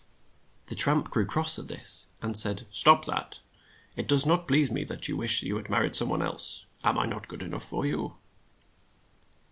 The tramp grew cross at this, and said, "Stop that! It does not please me that you should wish you had mar ried some one else. Am I not good e nough for you?"